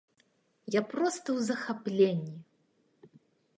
Я проста ў захапленні!